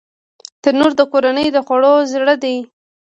تنور د کورنۍ د خوړو زړه دی